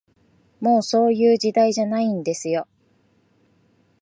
もう、そういう時代じゃないんですよ